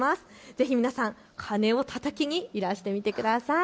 ぜひ皆さん鐘をたたきにいらしてください。